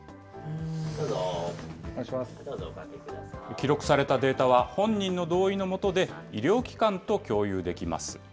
記録されたデータは、本人の同意のもとで、医療機関と共有できます。